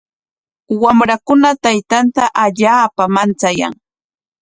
Wamrakuna taytanta allaapam manchayan.